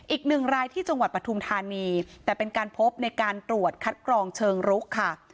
อีกหนึ่งรายที่จังหวัดปฐุมธานีแต่เป็นการพบในการตรวจคัดกรองเชิงรุกค่ะ